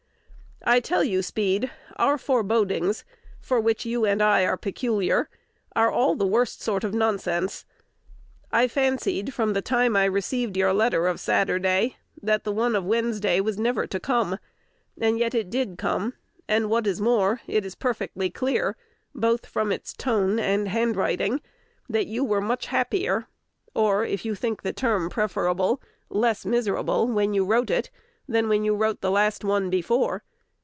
I tell you, Speed, our forebodings (for which you and I are peculiar) are all the worst sort of nonsense. I fancied, from the time I received your letter of Saturday, that the one of Wednesday was never to come, and yet it did come, and, what is more, it is perfectly clear, both from its tone and handwriting, that you were much happier, or, if you think the term preferable, less miserable, when you wrote it, than when you wrote the last one before.